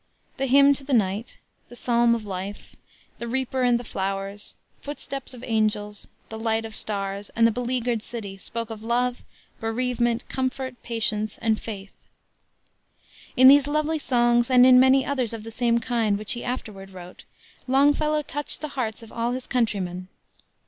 The Hymn to the Night, the Psalm of Life, the Reaper and the Flowers, Footsteps of Angels, the Light of Stars, and the Beleaguered City spoke of love, bereavement, comfort, patience and faith. In these lovely songs and in many others of the same kind which he afterward wrote, Longfellow touched the hearts of all his countrymen.